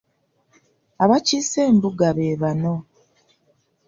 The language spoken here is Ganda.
Abaakiise embuga be bano.